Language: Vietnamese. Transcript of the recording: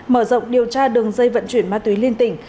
mở rộng điều tra đường dây vận chuyển ma túy liên tỉnh